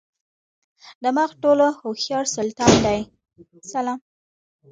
دماغ ټولو هوښیار سلطان دی.